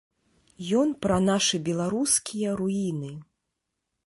Ён пра нашы беларускія руіны.